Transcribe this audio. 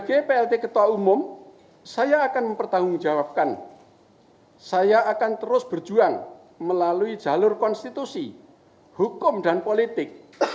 akan terus berjuang melalui jalur konstitusi hukum dan politik